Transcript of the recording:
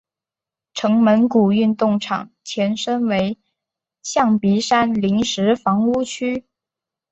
城门谷运动场前身为象鼻山临时房屋区。